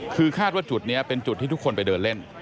คือคาดว่าจุดนี้เป็นจุดที่ทุกคนไปเดินเล่น